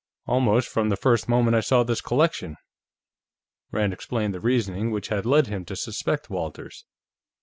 "Almost from the first moment I saw this collection." Rand explained the reasoning which had led him to suspect Walters.